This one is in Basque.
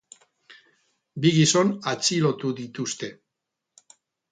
Bi gizon atxilotu dituzte.